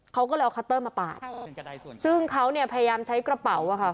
เขาก็เลยเอาคัตเตอร์มาปาดซึ่งเขาเนี่ยพยายามใช้กระเป๋าอะค่ะ